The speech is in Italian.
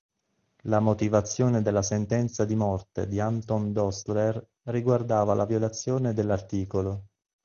La motivazione della sentenza di morte di Anton Dostler riguardava la violazione dell'art.